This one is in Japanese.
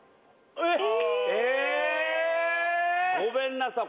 ええ⁉「ごめんなさい」